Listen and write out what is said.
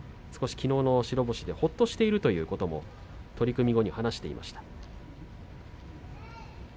きのうの白星でほっとしているということも取組後に語っていました。